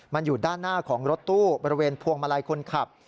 มันอยู่ด้านหน้าของรถตู้บริเวณพวงมาลัยคนขับ